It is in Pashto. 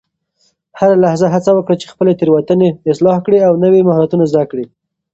هره لحظه هڅه وکړه چې خپلې تیروتنې اصلاح کړې او نوي مهارتونه زده کړې.